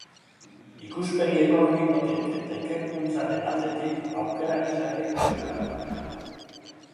Ikuspegi ekonomikotik eta ikerkuntzaren aldetik, aukera gisa ere ikusi behar da.